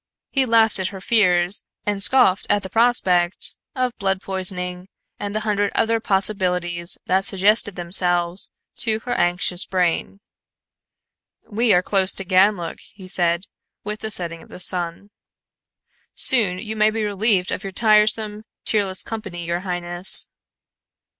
He laughed at her fears and scoffed at the prospect of blood poisoning and the hundred other possibilities that suggested themselves to her anxious brain. "We are close to Ganlook," he said, with the setting of the sun. "Soon you may be relieved of your tiresome, cheerless company, your highness."